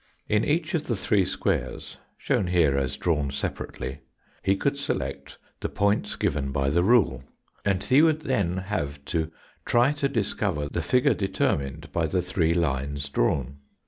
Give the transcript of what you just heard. In each of the three squares shown here as drawn separately he could select the points given by the rule, and he would Fig. Gi then have to try to discover the figure determined by the three lines drawn.